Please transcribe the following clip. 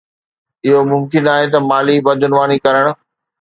اهو ممڪن آهي ته مالي بدعنواني ڪرڻ.